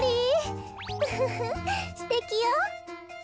ウフフすてきよ。